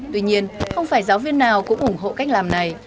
tuy nhiên không phải giáo viên nào cũng ủng hộ cách làm này